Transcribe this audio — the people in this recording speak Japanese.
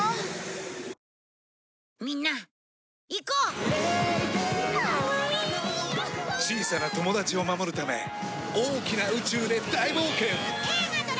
小さな友達を守るため大きな宇宙で大冒険